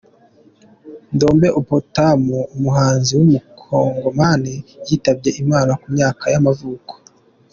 Ndombe Opetum, umuhanzi w’umukongomani yitabye Imana, ku myaka y’amavuko.